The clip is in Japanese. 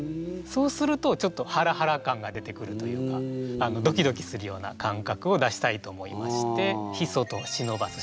そうするとちょっとハラハラ感が出てくるというかドキドキするような感覚を出したいと思いまして「ひそと忍ばす」